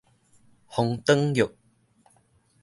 風轉弱